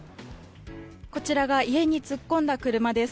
こちらが家に突っ込んだ車です。